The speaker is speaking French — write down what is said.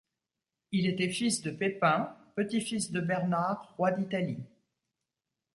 Il était fils de Pépin, petit-fils de Bernard, roi d'Italie.